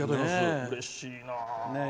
うれしいな。